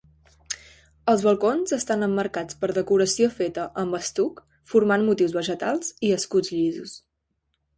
Els balcons estan emmarcats per decoració feta amb estuc formant motius vegetals i escuts llisos.